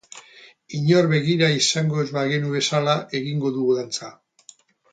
Inor begira izango ez bagenu bezala egingo dugu dantza.